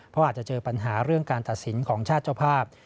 เพราะอาจจะเจอปัญหาเรื่องการตัดสินของชาติเจ้าภาพ